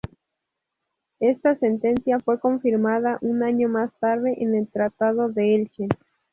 Esta sentencia fue confirmada un año más tarde en el Tratado de Elche.